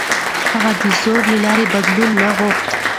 هغه د زور له لارې بدلون نه غوښت.